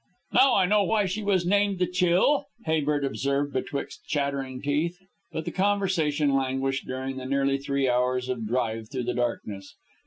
"Now I know why she was named the Chill," Habert observed betwixt chattering teeth. But conversation languished during the nearly three hours of drive through the darkness.